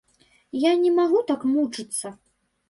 Я не магу так мучыцца!